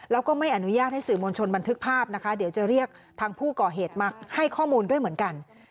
แล้วก็ไม่อนุญาตให้สื่อมวลชนบันทึกภาพนะคะเดี๋ยวจะเรียกทางผู้ก่อเหตุมาให้ข้อมูลด้วยเหมือนกัน